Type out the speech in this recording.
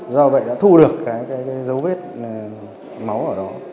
do vậy đã thu được cái dấu vết máu ở đó